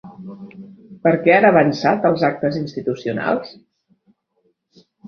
Per què han avançat els actes institucionals?